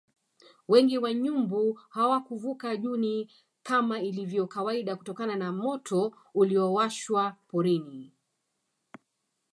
Wengi wa nyumbu hawakuvuka Juni kama ilivyo kawaida kutokana na moto uliowashwa porini